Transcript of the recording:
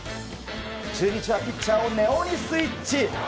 中日はピッチャーを根尾にスイッチ。